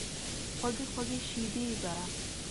خوږې، خوږې شیبې به،